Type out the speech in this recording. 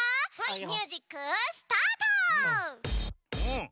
ミュージックスタート！